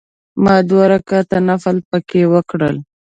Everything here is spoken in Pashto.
ما دوه رکعته نفل په کې وکړل.